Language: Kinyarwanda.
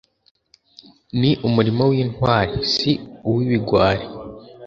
Ni umurimo w’Intwari si uw’ibigwari